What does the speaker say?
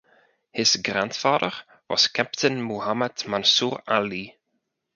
His grandfather was Captain Muhammad Mansur Ali.